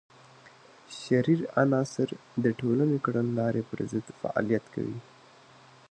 شریر عناصر د ټولنې د کړنلارې پر ضد فعالیت کوي.